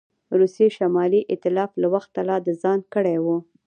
روسیې شمالي ایتلاف له وخته لا د ځان کړی وو.